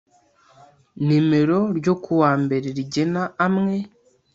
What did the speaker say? nimero ryo kuwa mbere rigena amwe